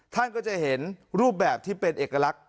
ท่านก็จะเห็นรูปแบบที่เป็นเอกลักษณ